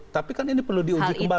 tapi kan ini perlu diuji kembali